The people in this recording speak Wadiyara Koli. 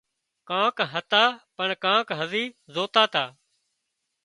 ڪانڪ هتا پڻ ڪانڪ هزي زوتا تا